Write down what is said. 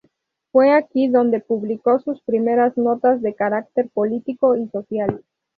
Fue aquí donde publicó sus primeras notas de carácter político y social.